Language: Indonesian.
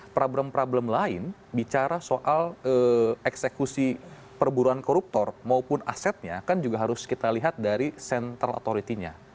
problem problem lain bicara soal eksekusi perburuan koruptor maupun asetnya kan juga harus kita lihat dari central authority nya